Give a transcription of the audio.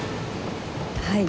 はい。